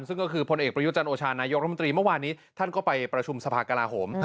ซึ่งก็คือพลเอกประยุจันโอชานายกลักษมณีท่านก็ไปประชุมสภาคกราโหม